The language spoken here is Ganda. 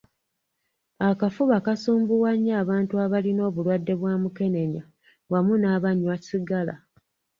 Akafuba kasumbuwa nnyo abantu abalina obulwadde bwa mukenenya wamu n'abanywa sigala